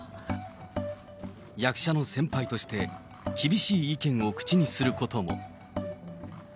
役者の先輩として、厳しい意見を口にすることも。